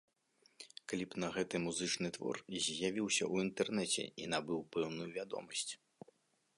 Кліп на гэты музычны твор з'явіўся ў інтэрнэце і набыў пэўную вядомасць.